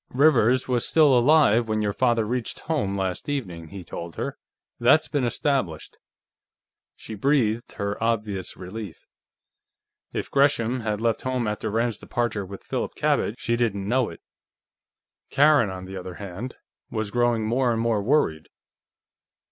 "Rivers was still alive when your father reached home, last evening," he told her. "That's been established." She breathed her obvious relief. If Gresham had left home after Rand's departure with Philip Cabot, she didn't know it. Karen, on the other hand, was growing more and more worried.